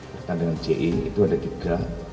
berkaitan dengan ci itu ada tiga